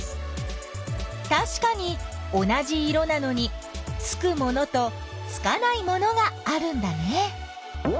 たしかに同じ色なのにつくものとつかないものがあるんだね。